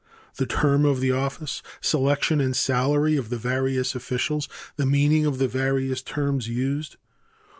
The term of the office, selection and salary of the various officials. The meaning of the various terms used.